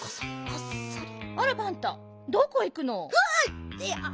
あらパンタどこいくの？